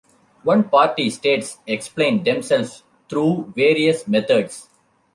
One-party states explain themselves through various methods.